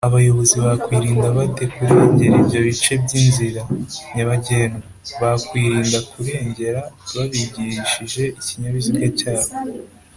abayobozi bakwirinda bate kurengera ibyo bice by’inzira nyabagendwa?bakwirinda kurengera babigirishize ikinyabiziga cyabo